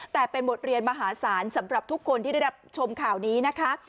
แต่เป็นบทเรียนมหาศาลสำหรับทุกคนที่ได้รับชมข่าวนี้นะคะ